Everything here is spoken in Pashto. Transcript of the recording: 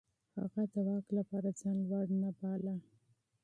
هغه د واک لپاره ځان لوړ نه باله.